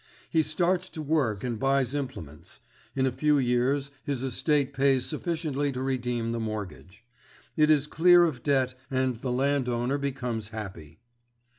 He starts to work and buys implements; in a few years his estate pays sufficiently to redeem the mortgage. It is clear of debt and the landowner becomes happy.